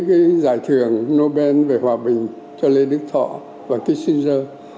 cái giải thưởng nobel về hòa bình cho lê đức thọ và tishingter